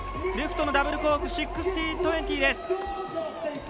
レフトのダブルコーク１６２０。